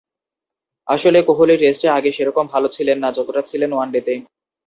আসলে কোহলি টেস্টে আগে সেরকম ভালো ছিলেন না, যতটা ছিলেন ওয়ানডেতে।